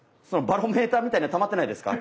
バロメーターみたいなのたまってないですか？